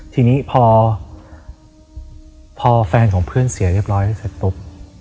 ทีนี้พอแฟนของเพื่อนเสียเรียบร้อยเสร็จปุ๊บ